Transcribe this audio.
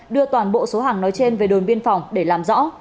đưa toàn bộ số hàng nói trên về đồn biên phòng để làm rõ